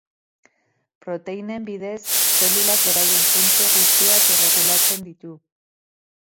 Proteinen bidez, zelulak beraien funtzio guztiak erregulatzen ditu.